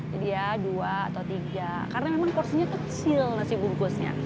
jadi ya dua atau tiga karena memang porsinya kecil nasi bungkusnya